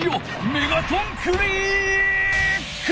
メガトンクリック！